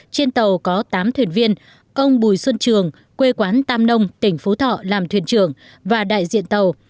trên tàu có tám thuyền viên ông bùi xuân trường quê quán tam nông tỉnh phú thọ làm thuyền trưởng và đại diện tàu